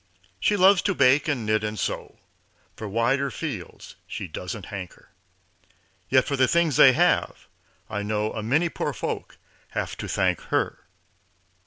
She loves to bake and knit and sew, For wider fields she doesn't hanker; Yet for the things they have I know A many poor folk have to thank her.